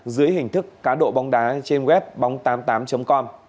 dưới hình thức cá độ bóng đá trên web bóng tám mươi tám com